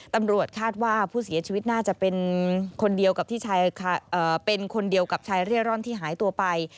ตำรวจคาดว่าผู้เสียชีวิตน่าจะเป็นคนเดียวกับชายเร่อร่อนที่หายตัวไป